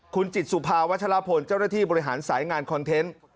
คุณจิตสุภาวัชลพลเจ้าหน้าที่บริหารสายงานคอนเทนต์